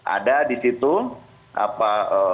ada di situ apa